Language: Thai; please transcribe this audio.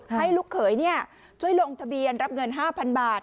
ให้ลูกเขยช่วยลงทะเบียนรับเงิน๕๐๐๐บาท